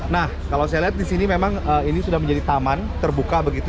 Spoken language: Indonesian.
nah kalau saya lihat di sini memang ini sudah menjadi taman terbuka begitu